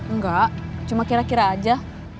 enggak cuma kira kira aja